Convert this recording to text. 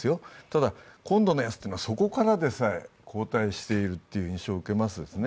ただ、今度のやつというのはそこからでさえ後退している印象を受けます。